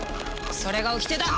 それがおきてだ！